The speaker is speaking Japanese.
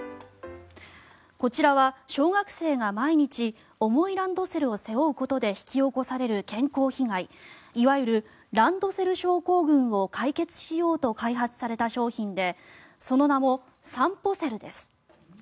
こちらは小学生が毎日重いランドセルを背負うことで引き起こされる健康被害いわゆるランドセル症候群を解決しようと開発された商品でその名もさんぽセルです。